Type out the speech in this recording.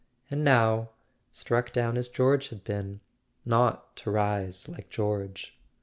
And now, struck down as George had been—not to rise like George.